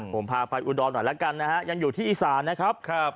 ผมพาไปอุดรหน่อยแล้วกันนะฮะยังอยู่ที่อีสานนะครับ